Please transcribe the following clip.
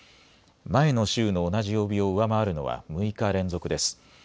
前の週の同じ曜日を上回るのは６日連続です。